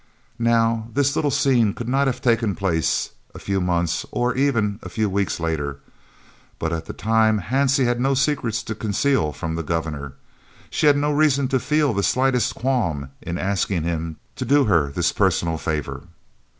Now, this little scene could not have taken place a few months, or even a few weeks, later, but at the time Hansie had no secrets to conceal from the Governor, and she had no reason to feel the slightest qualm in asking him to do her this personal favour.